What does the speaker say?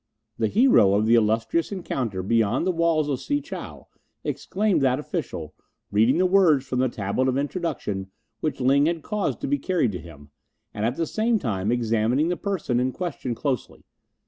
"'The hero of the illustrious encounter beyond the walls of Si chow,'" exclaimed that official, reading the words from the tablet of introduction which Ling had caused to be carried into him, and at the same time examining the person in question closely.